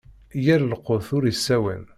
Yir lqut ur issawan.